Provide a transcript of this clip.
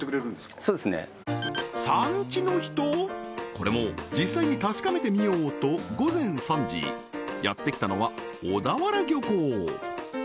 これも実際に確かめてみようと午前３時やってきたのは小田原漁港